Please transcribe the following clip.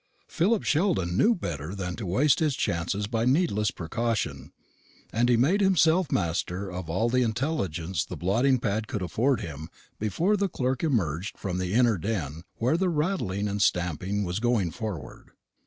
Philip Sheldon knew better than to waste his chances by needless precaution; and he made himself master of all the intelligence the blotting pad could afford him before the clerk emerged from the inner den where the rattling and stamping was going forward.